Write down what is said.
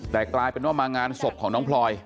แต่กลายเป็นว่ามางานศพของน้องพลอย